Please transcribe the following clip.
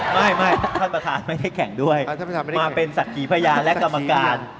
ท่านประธานไม่ได้แข่งด้วยมาเป็นศักดิ์ขีพยานและกรรมการ